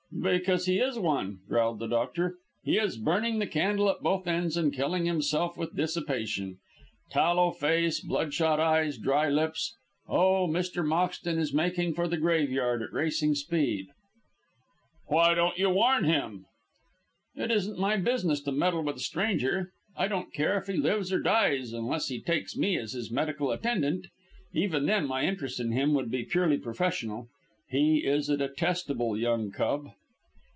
"Because he is one," growled the doctor; "he is burning the candle at both ends, and killing himself with dissipation. Tallow face, blood shot eyes, dry lips. Oh, Mr. Moxton is making for the graveyard at racing speed!" "Why don't you warn him?" "It isn't my business to meddle with a stranger. I don't care if he lives or dies unless he takes me as his medical attendant. Even then my interest in him would be purely professional. He is a detestable young cub."